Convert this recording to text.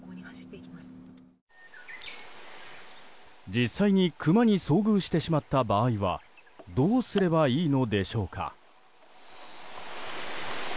実際にクマに遭遇してしまった場合はどうすればいいのでしょうか。